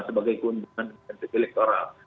sebagai keundungan elektoral